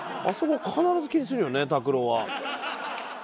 あそこを必ず気にするよね卓郎は。